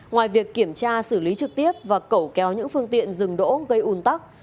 ngoài việc kiểm tra xử lý trực tiếp và cẩu kéo những phương tiện rừng đỗ gây un tắc